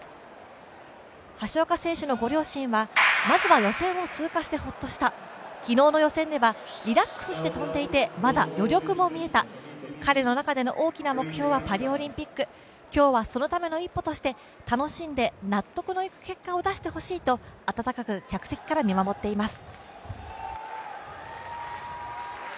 橋岡選手のご両親は、まずは予選を通過してホッとした昨日の予選ではリラックスして跳んでいてまだ余力も見えた、彼の中での大きな目標はパリオリンピック、今日はそのための一歩として納得のいく結果を出してほしいと温かく客席から見守っています。